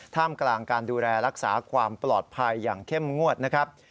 ท่ามกลางการดูแลรักษาความปลอดภัยอย่างเข้มงวดนะครับ